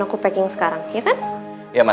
aku packing sekarang ya kan